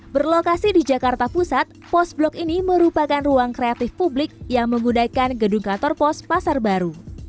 berlokasi di jakarta pusat pos blok ini merupakan ruang kreatif publik yang menggunakan gedung kantor pos pasar baru